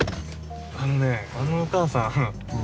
あのねあのお母さんたまたま。